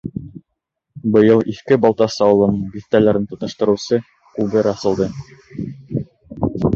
Быйыл Иҫке Балтас ауылының биҫтәләрен тоташтырыусы күпер асылды.